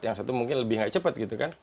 yang satu mungkin lebih nggak cepat gitu kan